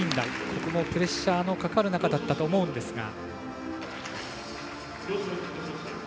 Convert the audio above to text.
ここもプレッシャーのかかる中だったと思うんですが。